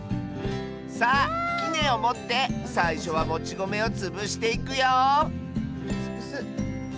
さあきねをもってさいしょはもちごめをつぶしていくよつぶす。